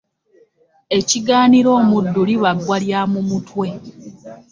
Ekigaanira omuddu liba bbwa lya mu mutwe.